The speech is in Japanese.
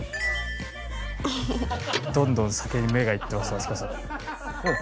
どんどん酒に目がいってます飛鳥さん。